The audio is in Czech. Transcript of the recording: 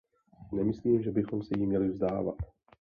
Nemyslím, že bychom se jí měli vzdávat.